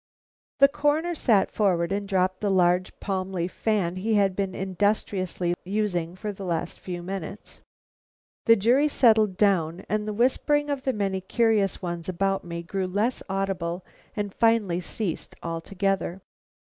The Coroner sat forward and dropped the large palm leaf fan he had been industriously using for the last few minutes, the jury settled down, and the whispering of the many curious ones about me grew less audible and finally ceased altogether.